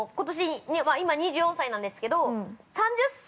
今、２４歳なんですけど３０歳。